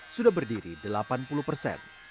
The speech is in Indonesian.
sudah berdiri delapan puluh persen